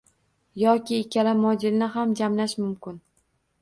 Yoki ikkala modelni ham jamlash mumkin